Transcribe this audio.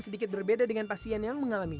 sedikit berbeda dengan pasien yang mengalami